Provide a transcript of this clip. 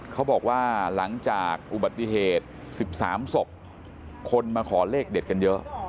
เขาบอกว่าหลังจากอุบัติเหตุ๑๓ศพคนมาขอเลขเด็ดกันเยอะ